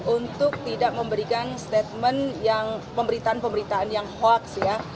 untuk tidak memberikan statement yang pemberitaan pemberitaan yang hoax ya